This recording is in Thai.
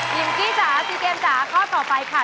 ิงกี้จ๋าซีเกมจ๋าข้อต่อไปค่ะ